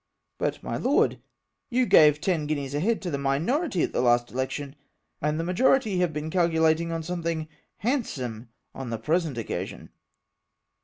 " But, my Lord, you gave ten guineas a head to the minority at the last election, and the majority have been calculating on something handsome on the pre sent occasion."